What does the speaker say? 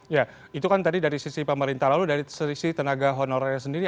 ya itu kan tadi dari sisi pemerintah lalu dari sisi tenaga honorernya sendiri